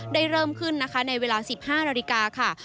เริ่มขึ้นนะคะในเวลา๑๕นาฬิกาค่ะ